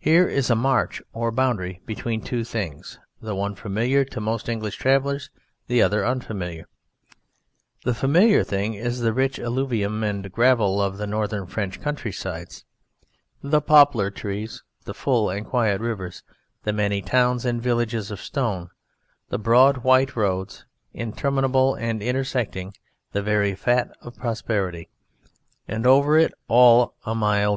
Here is a march or boundary between two things, the one familiar to most English travellers, the other unfamiliar. The familiar thing is the rich alluvium and gravel of the Northern French countrysides, the poplar trees, the full and quiet rivers, the many towns and villages of stone, the broad white roads interminable and intersecting the very fat of prosperity, and over it all a mild air.